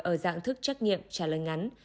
ở dạng thức trách nghiệm trả lời ngắn